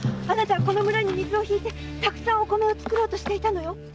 あなたはこの村に水を引いてたくさんお米を作ろうとしていたのよ。